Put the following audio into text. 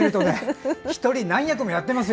１人何役もやっていますよ。